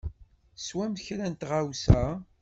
Swem kra n tɣawsa.